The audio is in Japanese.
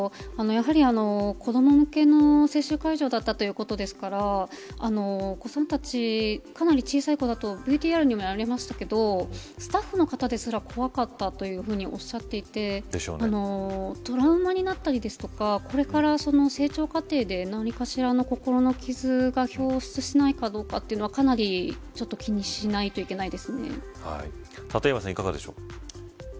やはり子ども向けの接種会場だったということですからお子さんたち、かなり小さい子たちだとＶＴＲにもありましたけどスタッフの方ですら怖かったというふうにおっしゃっていてトラウマになったりですとかこれから成長過程で何かしらの心の傷が表出しないかどうかというのはかなり立岩さん、いかがでしょう。